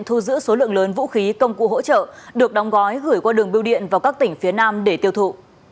thu giữ số lượng lớn vũ khí công cụ hỗ trợ được đóng gói gửi qua đường biêu điện vào các tỉnh phía nam để tiêu thụ